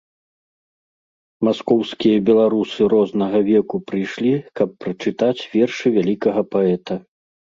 Маскоўскія беларусы рознага веку прыйшлі, каб прачытаць вершы вялікага паэта.